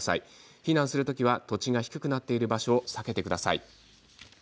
避難する時は土地が低くなっている場所は避けてください。